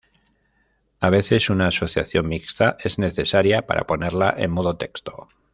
A veces una asociación mixta es necesaria ponerla en modo texto.